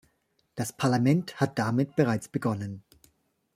Das Parlament hat damit bereits begonnen.